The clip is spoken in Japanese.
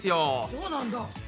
そうなんだ。